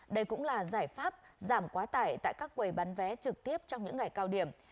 đây cũng là giải pháp giảm quá tải tại các quầy bán vé trực tiếp trong những ngày cao điểm